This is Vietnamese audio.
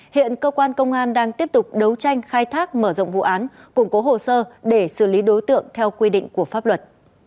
hiện cơ quan công an đang tiếp tục đấu tranh khai thác mở rộng vụ án củng cố hồ sơ để xử lý đối tượng theo quy định của pháp luật